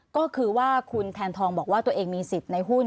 ก็คือว่าคุณแทนทองบอกว่าตัวเองมีสิทธิ์ในหุ้น